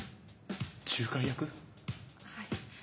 はい。